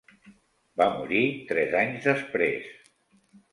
Va morir tres anys després.